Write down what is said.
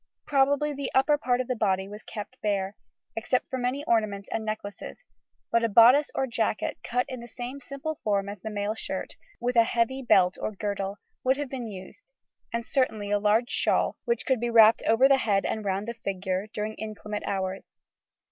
Probably the upper part of the body was kept bare, except for many ornaments and necklaces, but a bodice or jacket cut in the same simple form as the male shirt, with a heavy belt or girdle, would have been used, and certainly a large shawl, which could be wrapped over the head and round the figure during inclement hours.